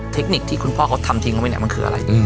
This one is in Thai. เทคนิคที่คุณพ่อเค้าทำทิ้งลงไปไหนมันคืออะไร